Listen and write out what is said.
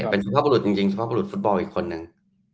เป็นสุภาพบุรุษจริงเฉพาะบุรุษฟุตบอลอีกคนนึง